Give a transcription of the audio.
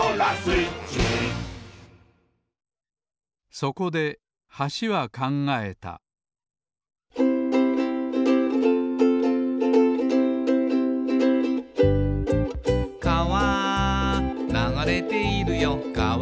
そこで橋は考えた「かわ流れているよかわ」